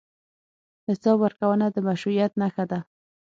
حساب ورکونه د مشروعیت نښه ده.